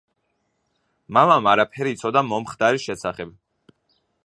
მამამ არაფერი იცოდა მომხდარის შესახებ.